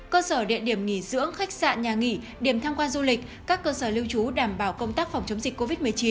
cơ sở địa điểm nghỉ dưỡng khách sạn nhà nghỉ điểm tham quan du lịch các cơ sở lưu trú đảm bảo công tác phòng chống dịch covid một mươi chín